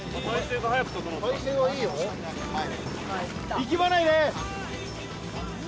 力まないで。